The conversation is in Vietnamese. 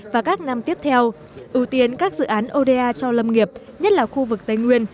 và các năm tiếp theo ưu tiên các dự án oda cho lâm nghiệp nhất là khu vực tây nguyên